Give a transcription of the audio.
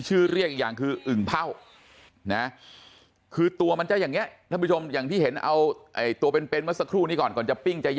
อึงมันจะจำสินมันจะอยู่มันจะเก็บตัว